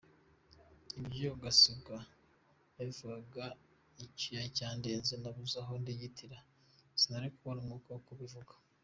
Ibyo Gasigwa yabivugaga icyuya cyandenze nabuze aho ndigitira sinari kubona umwuka wo kubivuga.